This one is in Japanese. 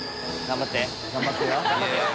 頑張ってよ。